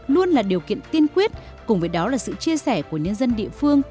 luôn là điều kiện tiên quyết cùng với đó là sự chia sẻ của nhân dân địa phương